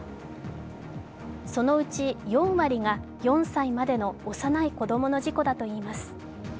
そのうち４割が４歳までの幼い子供の事故だといいます。